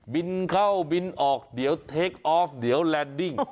บินเข้าบินออกเดี๋ยวเทคออฟเดี๋ยวแลนดิ้ง